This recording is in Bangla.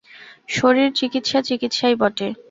শশীর চিকিৎসা চিকিৎসাই বটে।